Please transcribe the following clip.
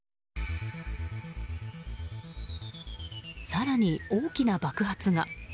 更に大きな爆発が。